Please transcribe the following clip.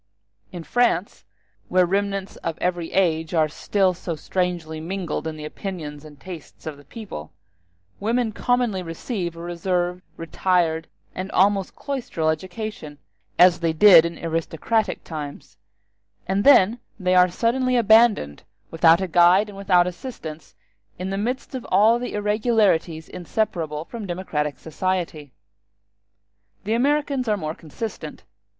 In France, where remnants of every age are still so strangely mingled in the opinions and tastes of the people, women commonly receive a reserved, retired, and almost cloistral education, as they did in aristocratic times; and then they are suddenly abandoned, without a guide and without assistance, in the midst of all the irregularities inseparable from democratic society. The Americans are more consistent.